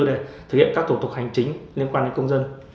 để thực hiện các thủ tục hành chính liên quan đến công dân